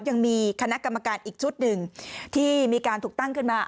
ยังมีคณะกรรมการอีกชุดหนึ่งที่มีการถูกตั้งขึ้นมา